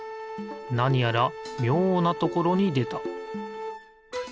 なにやらみょうなところにでた。